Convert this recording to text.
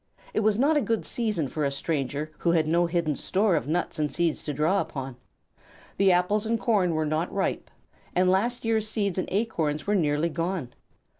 It was not a good season for a stranger who had no hidden store of nuts and seeds to draw upon. The apples and corn were not ripe, and last year's seeds and acorns were nearly gone.